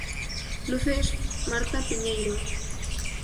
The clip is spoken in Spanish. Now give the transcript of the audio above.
Luces: Marta Piñeiro.